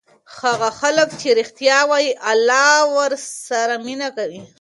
هغه خلک چې ریښتیا وایي الله ورسره مینه کوي.